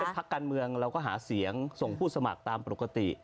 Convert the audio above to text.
พักการเมืองเราก็หาเสียงส่งผู้สมัครตามปกติ